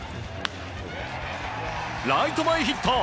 ライト前ヒット！